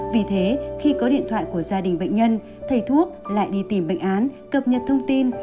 vì thế khi có điện thoại của gia đình bệnh nhân thầy thuốc lại đi tìm bệnh án cập nhật thông tin